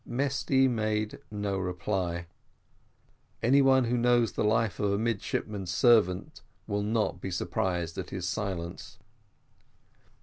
Mesty made no reply: any one who knows the life of a midshipman's servant will not be surprised at his silence.